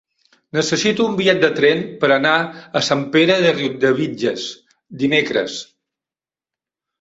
Necessito un bitllet de tren per anar a Sant Pere de Riudebitlles dimecres.